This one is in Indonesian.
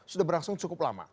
sudah berlangsung cukup lama